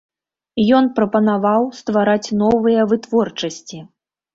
Ён прапанаваў ствараць новыя вытворчасці.